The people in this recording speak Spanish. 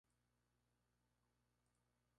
La foto de portada es de Pedro Madueño.